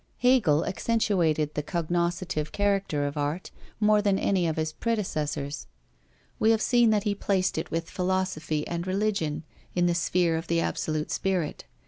Hegel accentuated the cognoscitive character of art, more than any of his predecessors. We have seen that he placed it with Philosophy and Religion in the sphere of the absolute Spirit.